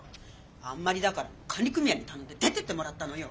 あんまりだから管理組合に頼んで出てってもらったのよ。